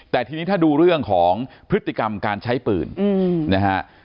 แต่ทีนี้ถ้าดูเรื่องของพฤติกรรมการใช้ปืนนะฮะ